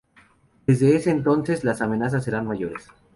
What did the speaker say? Desde ese entonces las amenazas serán mayores.